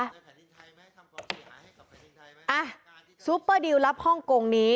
อ่ะซูเปอร์ดีลลับฮ่องกงนี้